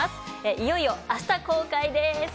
いよいよ、あした公開です。